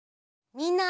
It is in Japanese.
みんな！